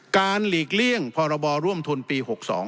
หลีกเลี่ยงพรบร่วมทุนปี๖๒